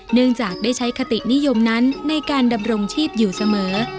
เนื่องจากได้ใช้คตินิยมนั้นในการดำรงชีพอยู่เสมอ